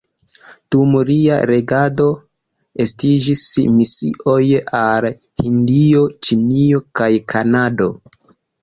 Dum lia regado estiĝis misioj al Hindio, Ĉinio kaj Kanado.